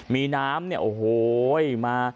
มีน้ำเนี่ยโอ้โหมา